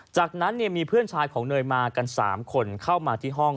จากนั้นมีเพื่อนชายของเนยมากัน๓คนเข้ามาที่ห้อง